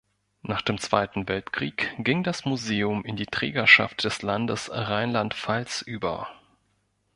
Nach dem Zweiten Weltkrieg ging das Museum in die Trägerschaft des Landes Rheinland-Pfalz über.